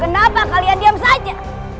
kenapa kalian diam saja